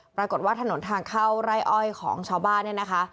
ปรากฏว่าถนนทางเข้าไร่อ้อยของชาวบ้านเนี่ยนะคะ